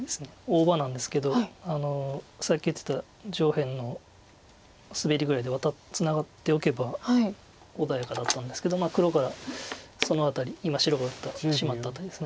大場なんですけどさっき言ってた上辺のスベリぐらいでツナがっておけば穏やかだったんですけど黒からその辺り今白が打ったシマった辺りです。